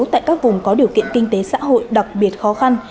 tại các vùng có điều kiện kinh tế xã hội đặc biệt khó khăn